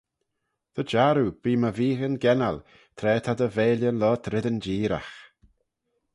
Dy jarroo, bee my veeghyn gennal, tra ta dty veillyn loayrt reddyn jeeragh.